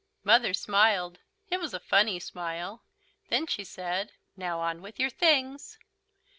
Mother smiled. It was a funny smile. Then she said: "Now, on with your things!"